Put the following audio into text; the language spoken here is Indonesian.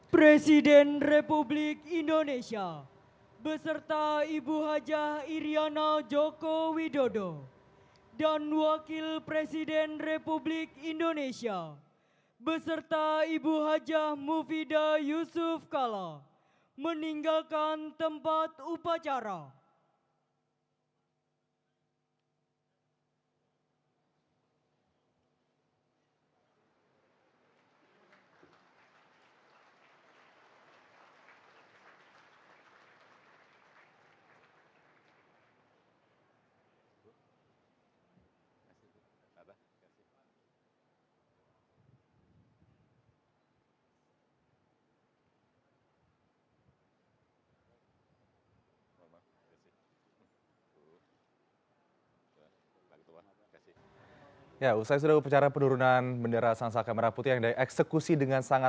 presiden republik indonesia beserta ibu hajah iryana joko widodo dan wakil presiden republik indonesia beserta ibu hajah mufidah yusuf kala meninggalkan tempat upacara